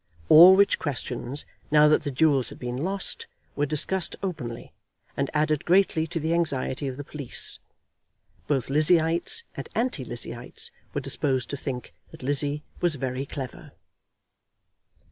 All which questions, now that the jewels had been lost, were discussed openly, and added greatly to the anxiety of the police. Both Lizzieites and anti Lizzieites were disposed to think that Lizzie was very clever.